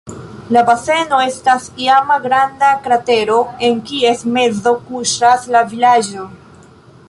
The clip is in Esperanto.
La baseno estas iama granda kratero, en kies mezo kuŝas la vilaĝo.